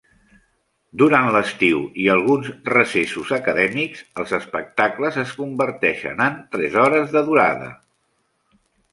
Durant l'estiu i alguns recessos acadèmics, els espectacles es converteixen en tres hores de durada.